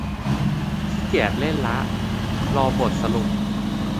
ขี้เกียจเล่นละ รอบทสรุป